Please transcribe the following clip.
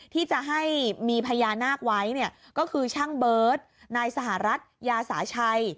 ที่จะให้มีพญานาคไว้ก็คือช่างเบิร์ตนายสหรัฐยาสาชัย